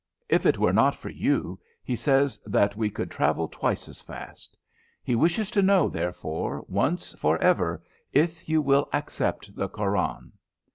If it were not for you, he says that we could travel twice as fast. He wishes to know therefore, once for ever, if you will accept the Koran."